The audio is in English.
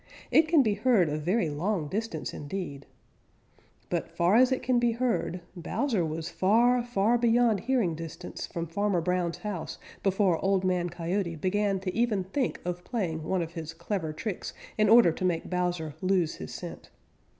It can be heard a very long distance indeed. But far as it can be heard, Bowser was far, far beyond hearing distance from Farmer Brown's house before Old Man Coyote began to even think of playing one of his clever tricks in order to make Bowser lose his scent.